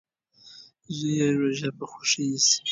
زوی یې روژه په خوښۍ نیسي.